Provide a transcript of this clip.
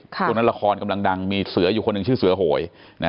ช่วงนั้นละครกำลังดังมีเสืออยู่คนหนึ่งชื่อเสือโหย